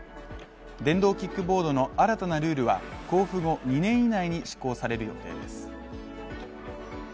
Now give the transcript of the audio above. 電動キックボードの新たなルールは、公布後２年以内に施行される予定です。